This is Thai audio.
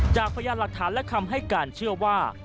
พยานหลักฐานและคำให้การเชื่อว่า